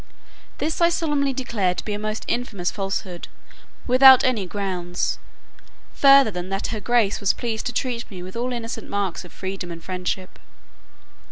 This I solemnly declare to be a most infamous falsehood, without any grounds, further than that her grace was pleased to treat me with all innocent marks of freedom and friendship.